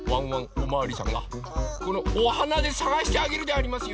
おまわりさんがこのおはなでさがしてあげるでありますよ！